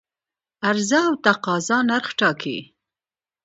عرضه او تقاضا نرخ ټاکي